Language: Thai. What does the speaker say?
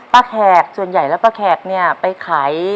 แขกส่วนใหญ่แล้วป้าแขกเนี่ยไปขาย